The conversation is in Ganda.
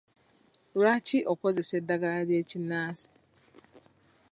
Lwaki okozesa eddagala ly'ekinnansi?